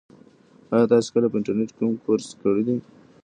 ایا تاسي کله په انټرنيټ کې کوم کورس کړی دی؟